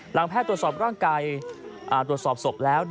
แพทย์ตรวจสอบร่างกายตรวจสอบศพแล้ว